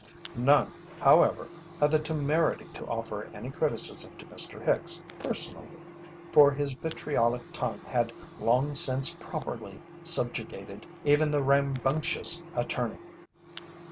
None, however, had the temerity to offer any criticism to Mr. Hicks personally, for his vitriolic tongue had long since properly subjugated even the rambunctious attorney.